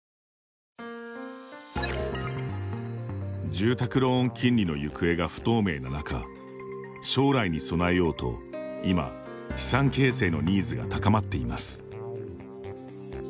住宅ローン金利の行方が不透明な中、将来に備えようと今、資産形成のニーズが高まっています。